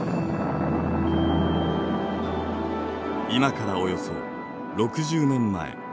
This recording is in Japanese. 今からおよそ６０年前。